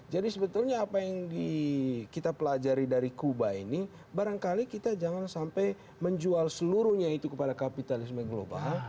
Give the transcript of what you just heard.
jadi sebetulnya apa yang kita pelajari dari kuba ini barangkali kita jangan sampai menjual seluruhnya itu kepada kapitalisme global